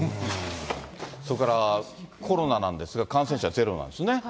それからコロナなんですが、感染者ゼロなんですね。